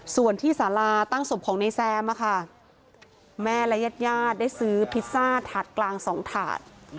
ส่วนที่สาราตั้งศพของนายแซมแม่และญาติญาติได้ซื้อพิซซ่าถาดกลาง๒ถาด